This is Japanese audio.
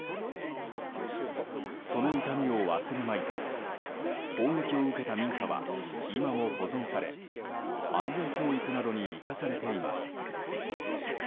その痛みを忘れまいと砲撃を受けた民家は今も保存され、安全教育などに生かされています。